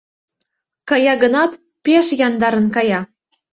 Кая гынат, пеш яндарын кая.